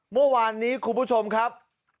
เมื่อวานนี้คุณผู้ชมครับ